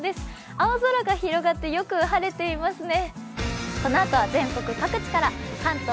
青空が広がって良く晴れていますね。